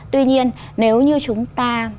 tuy nhiên nếu như chúng ta